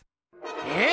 えっ！